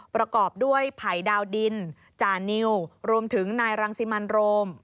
ประกอบด้วยไผ่ดาวดินจานิวรวมถึงนายรังสิมันโรม